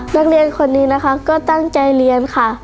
นักเรียนคนนี้นะคะก็ตั้งใจเรียนค่ะ